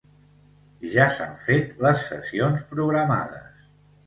Ja s'han fet les sessions programades